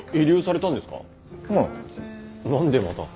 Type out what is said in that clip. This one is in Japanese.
何でまた。